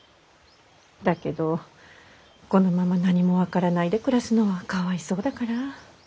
だけどこのまま何も分からないで暮らすのはかわいそうだから。